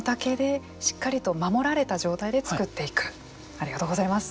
ありがとうございます。